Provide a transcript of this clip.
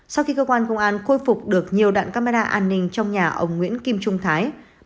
sau khi cơ quan công an khôi phục được nhiều đạn camera an ninh trong nhà ông nguyễn kim trung thái